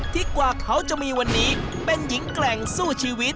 กว่าเขาจะมีวันนี้เป็นหญิงแกร่งสู้ชีวิต